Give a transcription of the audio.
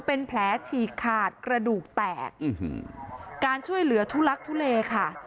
เป็นแผลฉีกขาดกระดูกแตกการช่วยเหลือทุลักทุเลค่ะ